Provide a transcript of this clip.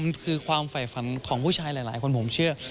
มันคือความฝ่ายฝันของผู้ชายหลายคนผมเชื่อ